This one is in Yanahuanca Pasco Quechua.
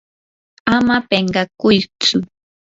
ama pinqakuytsu.